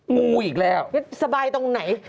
งูอีกแล้วสบายตรงไหน